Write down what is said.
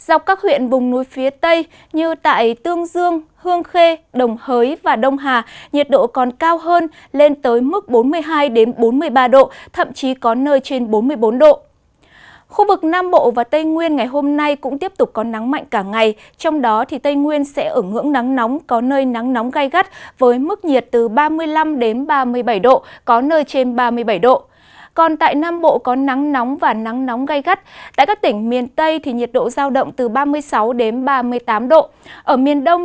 ở miền đông nhiệt độ cao hơn trong khoảng từ ba mươi bảy đến ba mươi chín độ